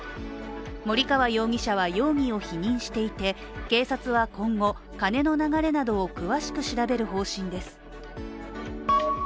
森川容疑者は、容疑を否認していて、警察は今後、金の流れなどを詳しく調べる方針です。